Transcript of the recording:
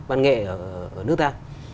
văn nghệ ở nước ta